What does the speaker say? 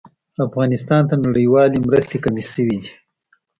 افغانستان ته نړيوالې مرستې کمې شوې دي